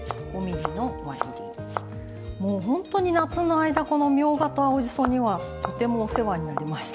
もうほんとに夏の間このみょうがと青じそにはとてもお世話になりました。